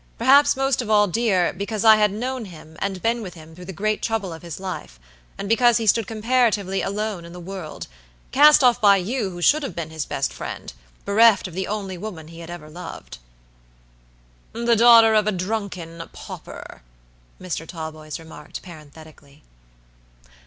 Perhaps most of all dear, because I had known him and been with him through the great trouble of his life; and because he stood comparatively alone in the worldcast off by you who should have been his best friend, bereft of the only woman he had ever loved." "The daughter of a drunken pauper," Mr. Talboys remarked, parenthetically.